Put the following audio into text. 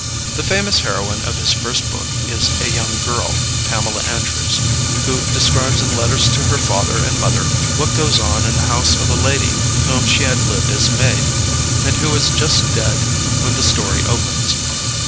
The famous heroine of his first book is a young girl, Pamela Andrews, who describes in letters to her father and mother what goes on in the house of a lady with whom she had lived as maid, and who is just dead when the story opens.